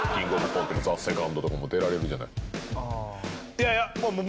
いやいや！